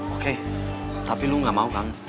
oke tapi lo gak mau kan